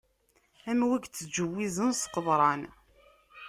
Am wi ittǧewwizen s qeḍran.